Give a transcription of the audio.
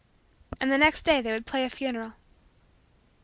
And the next day they would play a funeral.